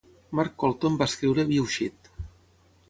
Mark Colton va escriure ViewSheet.